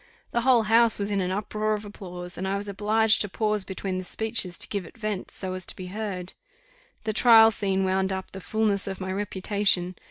The whole house was in an uproar of applause; and I was obliged to pause between the speeches to give it vent, so as to be heard. The trial scene wound up the fulness of my reputation.